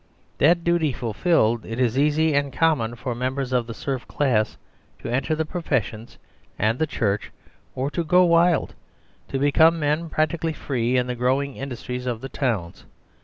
That duty fulfilled, it is easy and common for members of the serf class to enter the professions and the Church, or to go wild ; to become men practically free in the grow ing industries of the towns.